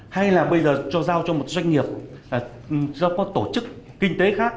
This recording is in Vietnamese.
hay là bây giờ cho giao cho một doanh nghiệp cho tổ chức kinh tế khác